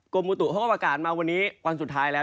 กลมมูตุภาพอากาศมาวันนี้วันสุดท้ายแล้ว